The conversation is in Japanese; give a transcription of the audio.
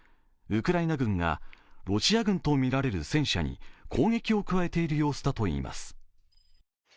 ウクライナ軍がロシア軍とみられる戦車に攻撃を加えている様子だといいます。